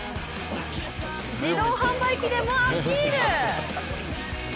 自動販売機でもアピール！